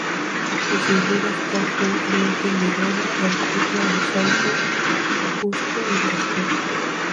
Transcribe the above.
Su figura está fuertemente ligada al culto a los santos Justo y Pastor.